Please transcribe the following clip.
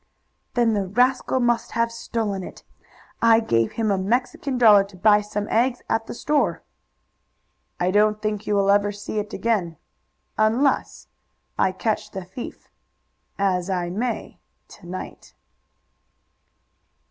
"Then the rascal must have stolen it. I gave him a Mexican dollar to buy some eggs at the store." "I don't think you will ever see it again, unless I catch the thief, as I may to night."